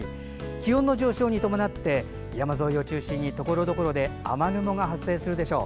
気温の上昇に伴い山沿いを中心にところどころで雨雲が発生するでしょう。